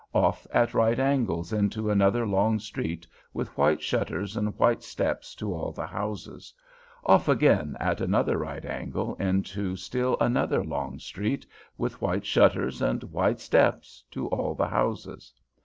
Off at right angles into another long street with white shutters and white steps to all the houses. Off again at another right angle into still another long street with white shutters and white steps to all the houses.